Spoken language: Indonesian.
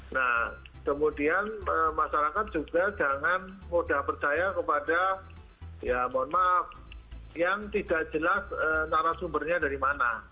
nah kemudian masyarakat juga jangan mudah percaya kepada ya mohon maaf yang tidak jelas narasumbernya dari mana